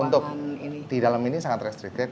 untuk di dalam ini sangat restricted